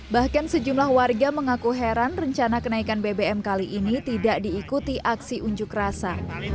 bahkan sejumlah warga mengaku heran rencana kenaikan bbm kali ini tidak diikuti aksi unjuk rasa